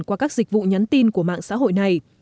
qua các dịch vụ nhắn tin của mạng xã hội này